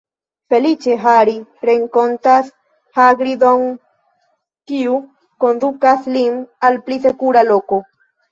Feliĉe, Hari renkontas Hagrid-on, kiu kondukas lin al pli sekura loko.